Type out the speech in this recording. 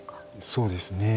そうですね。